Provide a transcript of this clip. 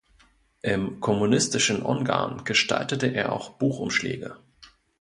Im kommunistischen Ungarn gestaltete er auch Buchumschläge.